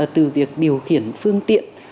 từ việc điều khiển phương tiện